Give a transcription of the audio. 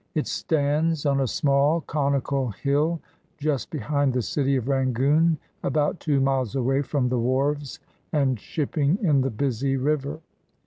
It stands on a small conical hill just behind the city of Rangoon, about two miles away from the wharves and shipping in the busy river.